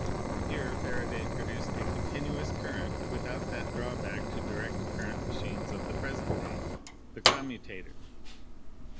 Here Faraday produced a continuous current without that drawback to direct current machines of the present day — the commutator.